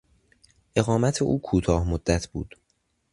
اقامت او کوتاه مدت بود.